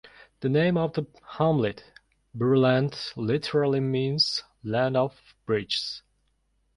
The name of the hamlet, "Bruland" literally means "land of bridges".